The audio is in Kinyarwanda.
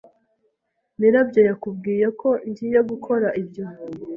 mirabyo yakubwiye ko ngiye gukora ibyo?